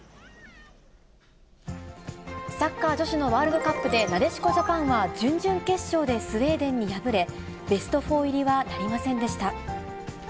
サッカー女子のワールドカップで、なでしこジャパンは準々決勝でスウェーデンに敗れ、ベスト４入りはなりませんでした。